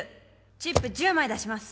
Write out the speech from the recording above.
チップ１０枚出します。